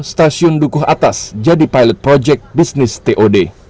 stasiun dukuh atas jadi pilot project bisnis tod